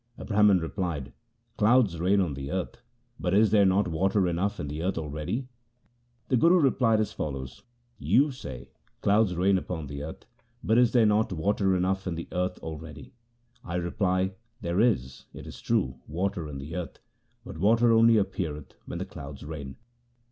A Brahman replied, ' Clouds rain on the earth, but is there not water enough in the earth already ?' The Guru replied as follows :— You say, clouds rain upon the earth, but is there not water enough in the earth already ?/ reply — There is, it is true, water in the earth, but water only appeareth when the clouds rain.